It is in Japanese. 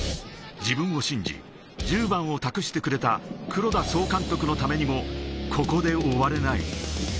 自分を信じ、１０番を託してくれた黒田総監督のためにもここで終われない。